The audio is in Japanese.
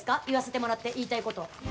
言わせてもらって言いたいこと。